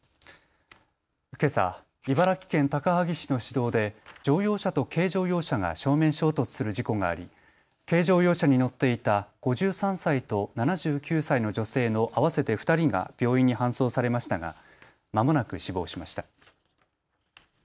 けさ、茨城県高萩市の市道で乗用車と軽乗用車が正面衝突する事故があり、軽乗用車に乗っていた５３歳と７９歳の女性の合わせて２人が病院に搬送されましたがまもなく死亡しました。